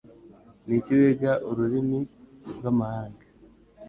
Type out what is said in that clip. Niki wiga ururimi rwamahanga?